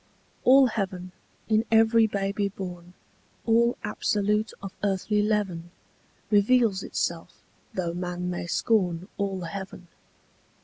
All heaven, in every baby born, All absolute of earthly leaven, Reveals itself, though man may scorn All heaven.